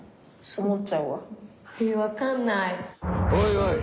おいおい。